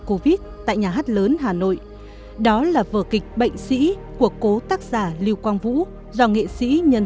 covid tại nhà hát lớn hà nội đó là vở kịch bệnh sĩ của cố tác giả lưu quang vũ do nghệ sĩ nhân